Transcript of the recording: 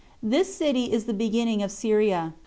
This city is the beginning of Syria.